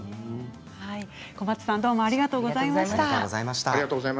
小松さんありがとうございました。